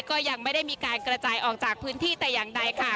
ก็ยังไม่ได้มีการกระจายออกจากพื้นที่แต่อย่างใดค่ะ